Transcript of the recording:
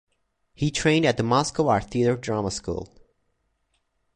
He trained at the Moscow Art Theatre drama school.